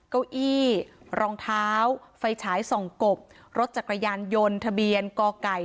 เก้าอี้รองเท้าไฟฉายส่องกบรถจักรยานยนต์ทะเบียนกไก่